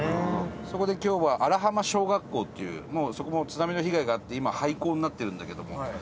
そこで、今日は荒浜小学校というそこも津波の被害があって今、廃校になってるんだけども。